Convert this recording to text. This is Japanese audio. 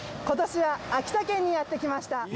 今年は秋田県にやって来ました。